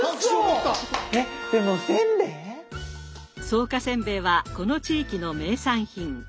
草加せんべいはこの地域の名産品。